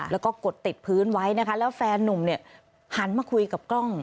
แล้วก็กดติดพื้นไว้แล้วแฟนหนุ่มหันมาคุยกับกล้อง